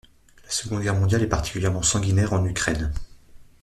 La Seconde Guerre mondiale est particulièrement sanguinaire en Ukraine.